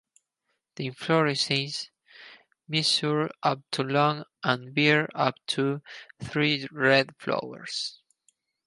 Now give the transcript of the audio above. The inflorescences measure up to long and bear up to three red flowers.